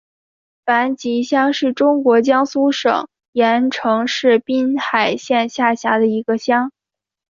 樊集乡是中国江苏省盐城市滨海县下辖的一个乡。